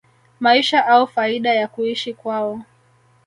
maisha au faida ya kuishi kwao